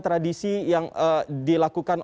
tradisi yang dilakukan